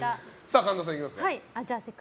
神田さん、いきますか。